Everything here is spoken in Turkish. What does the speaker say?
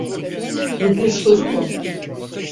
Bu bir soru mu?